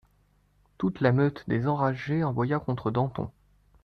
Toute la meute des enragés aboya contre Danton.